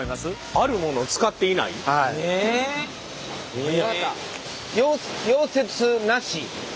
あるものを使っていない？え！？分かった！